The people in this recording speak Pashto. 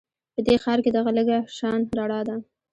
په دې ښار کې دغه لږه شان رڼا ده